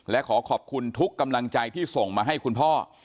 และขอขอบคุณทุกกำลังใจที่ส่งมาให้คุณพ่อ